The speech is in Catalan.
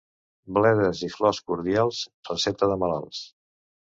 Bledes i flors cordials, recepta de malalts.